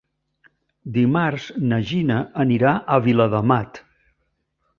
Dimarts na Gina anirà a Viladamat.